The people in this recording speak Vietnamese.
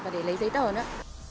và để lấy giấy tờ nữa